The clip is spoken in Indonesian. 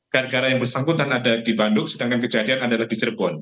gara gara yang bersangkutan ada di bandung sedangkan kejadian adalah di cirebon